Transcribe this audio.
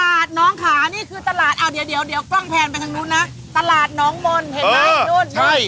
น้องค่ะนี่คือตลาดเอาเดี๋ยวเดี๋ยวกล้องแพนไปทางนู้นนะตลาดน้องมนต์เห็นไหมนู่นใช่